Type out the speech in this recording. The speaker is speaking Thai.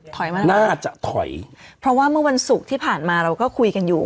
น่าจะถอยเพราะว่าเมื่อวันศุกร์ที่ผ่านมาเราก็คุยกันอยู่